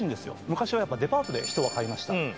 昔はやっぱデパートで人は買いました